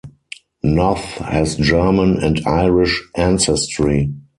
Noth has German and Irish ancestry.